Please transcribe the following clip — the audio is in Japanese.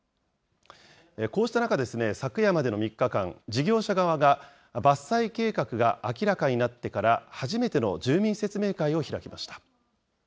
こうした中、昨夜までの３日間、事業者側が、伐採計画が明らかになってから初めての住民説明会を開きました。